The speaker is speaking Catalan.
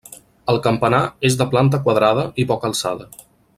El campanar és de planta quadrada i poca alçada.